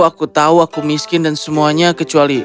aku tahu aku miskin dan semuanya kecuali